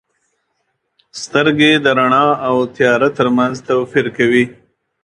• سترګې د رڼا او تیاره ترمنځ توپیر کوي.